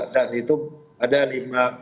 dan itu ada lima